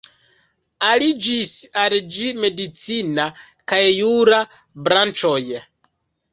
Aliĝis al ĝi medicina kaj jura branĉoj.